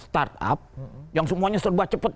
start up yang semuanya serba cepet